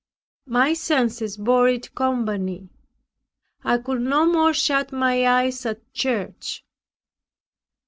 My senses bore it company. I could no more shut my eyes at church.